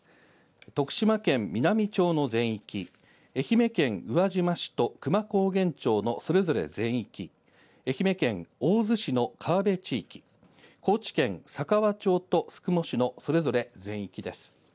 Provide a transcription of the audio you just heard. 徳島県南町の全域、愛媛県宇和島市と久万高原町のそれぞれ全域、愛媛県大洲市の川辺地域、高知県佐川町と宿毛市のそれぞれ全域です。